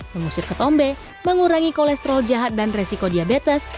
mengusir ketombe mengurangi kolesterol jahat dan resiko diabetes